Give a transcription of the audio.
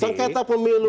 sengketa pemilu itu